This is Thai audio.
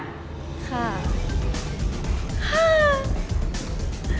ห้า